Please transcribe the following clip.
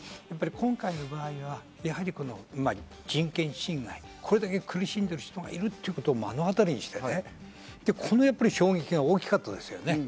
今回の場合は人権侵害、これだけ苦しんでる人がいるということを目の当たりにして、この衝撃が大きかったですね。